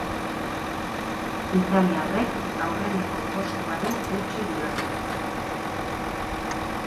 Italiarrek aurreneko postuari eutsi diote.